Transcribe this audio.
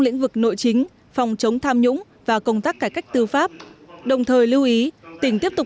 lĩnh vực nội chính phòng chống tham nhũng và công tác cải cách tư pháp đồng thời lưu ý tỉnh tiếp tục